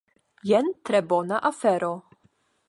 Jen tre bona afero.